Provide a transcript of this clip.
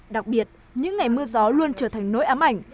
đặc biệt những ngày mưa gió luôn trở thành nỗi ám ảnh